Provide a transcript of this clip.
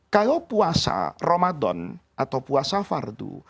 kalau puasa ramadan atau puasa fardu